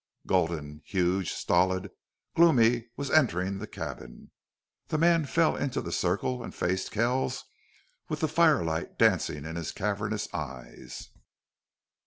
Gulden, huge, stolid, gloomy, was entering the cabin. The man fell into the circle and faced Kell with the fire light dancing in his cavernous eyes.